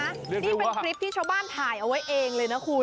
นี่เป็นคลิปที่ชาวบ้านถ่ายเอาไว้เองเลยนะคุณ